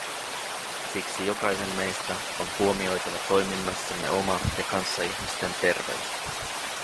Siksi jokaisen meistä on huomioitava toiminnassamme oma ja kanssaihmisten terveys.